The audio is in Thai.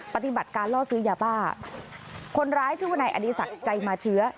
ปฏิบัติการล่อซื้อยาบ้าคนร้ายชื่อว่านายอดีศักดิ์ใจมาเชื้อ